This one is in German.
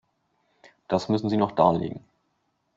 Das müssen Sie noch darlegen.